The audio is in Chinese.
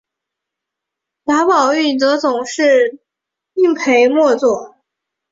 贾宝玉则总是敬陪末座。